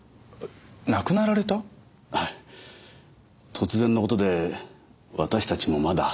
突然の事で私たちもまだ。